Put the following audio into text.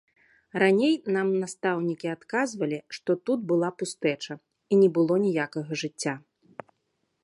Раней нам настаўнікі адказвалі, што тут была пустэча і не было ніякага жыцця.